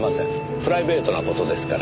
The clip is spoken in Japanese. プライベートな事ですから。